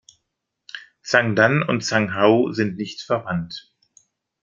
Zhang Dan und Zhang Hao sind nicht verwandt.